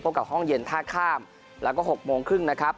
กับห้องเย็นท่าข้ามแล้วก็๖โมงครึ่งนะครับ